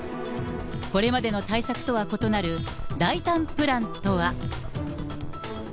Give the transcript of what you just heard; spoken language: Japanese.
これまでの対策とは異なる大胆プランとは。